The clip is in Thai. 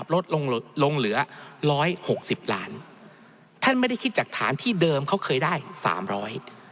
ลดลงลงเหลือร้อยหกสิบล้านท่านไม่ได้คิดจากฐานที่เดิมเขาเคยได้สามร้อย